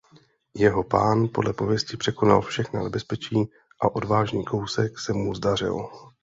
Jeho pán podle pověsti překonal všechna nebezpečí a odvážný kousek se mu zdařil.